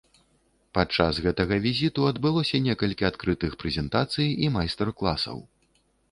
Падчас гэтага візіту адбылося некалькі адкрытых прэзентацый і майстар-класаў.